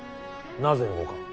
なぜ動かん。